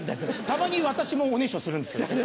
たまに私もおねしょするんですけどね。